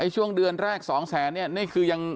ช่วงเดือนแรก๒๐๐๐๐๐นี่คือยัง